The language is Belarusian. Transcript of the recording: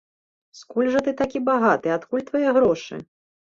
Скуль жа ты такі багаты, адкуль твае грошы?